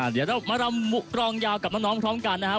เดี๋ยวเรามารำกรองยาวกับน้องพร้อมกันนะครับ